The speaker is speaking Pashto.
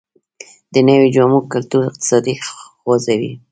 د نویو جامو کلتور اقتصاد خوځوي